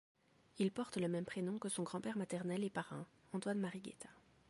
Il porte le même prénom que son grand-père maternel et parrain, Antoine-Marie Guaita.